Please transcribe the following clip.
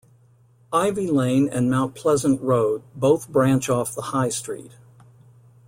Ivy Lane and Mount Pleasant Road both branch off the High Street.